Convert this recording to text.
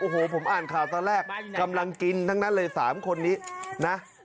โอ้โหผมอ่านข่าวตอนแรกกำลังกินทั้งนั้นเลย๓คนนี้นะ